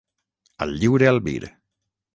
Al lliure albir.